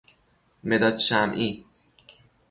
مداد شمعی